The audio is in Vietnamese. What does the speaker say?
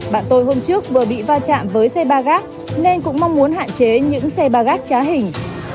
bạn tôi hôm trước vừa bị va chạm với xe ba gác nên cũng mong muốn hạn chế những xe ba gác trá hình